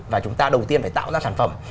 và chúng ta đầu tiên phải tạo ra sản phẩm